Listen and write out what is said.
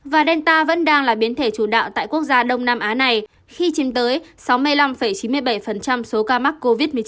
và delta vẫn đang là biến thể chủ đạo tại quốc gia đông nam á này khi chiếm tới sáu mươi năm chín mươi bảy số ca mắc covid một mươi chín